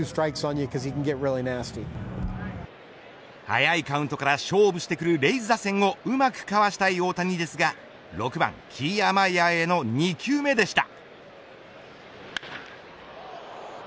早いカウントから勝負してくるレイズ打線をうまくかわしたい大谷ですが６番キーアマイヤーへの２球目でした。